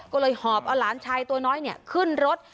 ก็เลยหอบเอาหลานชายตัวน้อยขึ้นรถ